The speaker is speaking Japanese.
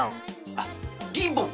あっリボン。